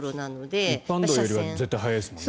一般道よりは絶対速いですもんね。